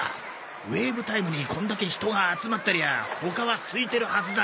ウェーブ・タイムにこんだけ人が集まってりゃ他はすいてるはずだ。